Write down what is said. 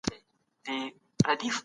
باطل په درواغو باندي ځان غټ کوی.